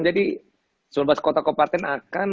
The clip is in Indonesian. jadi sebelas kota kopaten akan